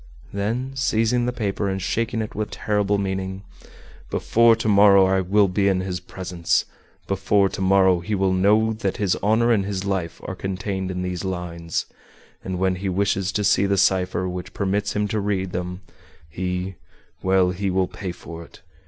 Then seizing the paper and shaking it with terrible meaning: "Before to morrow I will be in his presence; before to morrow he will know that his honor and his life are contained in these lines. And when he wishes to see the cipher which permits him to read them, he well, he will pay for it.